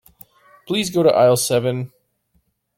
Please go to aisle seven.